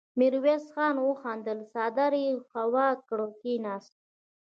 ميرويس خان وخندل، څادر يې هوار کړ، کېناست.